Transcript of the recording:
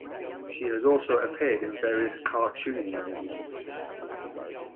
She has also appeared in various car tuning magazines.